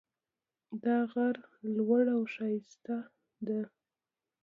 دا غر لوړ او ښایسته ده